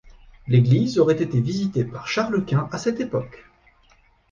L'église aurait été visitée par Charles Quint à cette époque.